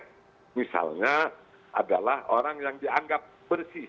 yang sebenarnya adalah orang yang dianggap bersih